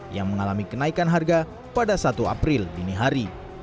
yang mengalami kenaikan harga pada satu april dini hari